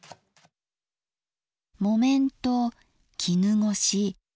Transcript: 木綿と絹ごし。